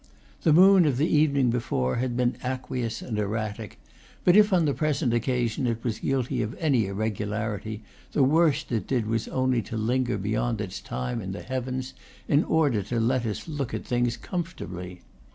The moon of the evening before had been aqueous and erratic; but if on the present occasion it was guilty of any irregularity, the worst it did was only to linger beyond its time in the heavens, in order to let us look at things comfortably.